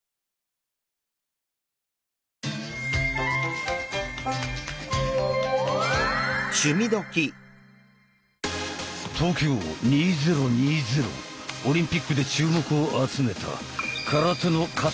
東京２０２０オリンピックで注目を集めた空手の形を学ぶ。